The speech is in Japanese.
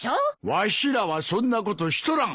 わしらはそんなことしとらん。